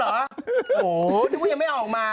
โอ้โหนึกว่ายังไม่ออกมา